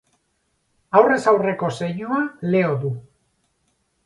Aurrez aurreko zeinua Leo du.